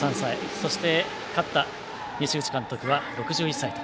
そして、勝った西口監督は６１歳と。